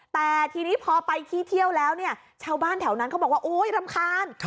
แต่ทีนี้พอไปที่เที่ยวแล้วเนี่ยชาวบ้านแถวนั้นเขาบอกว่าโอ๊ยรำคาญ